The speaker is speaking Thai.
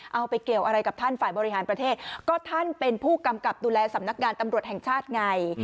เอาไปเกี่ยวอะไรกับท่านฝ่ายบริหารประเทศก็ท่านเป็นผู้กำกับดูแลสำนักงานตำรวจแห่งชาติไง